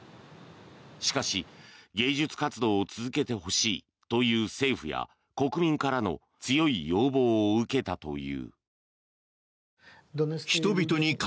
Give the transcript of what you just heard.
しかし、芸術活動を続けてほしいという政府や国民からの強い要望を受けたという。